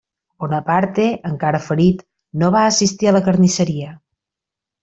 Bonaparte, encara ferit, no va assistir a la carnisseria.